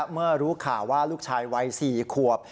เมื่อรู้ข่าวว่าลูกชายวัย๔ขวบ